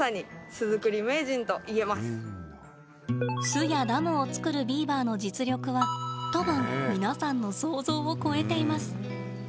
巣やダムを作るビーバーの実力は多分皆さんの想像を超えています。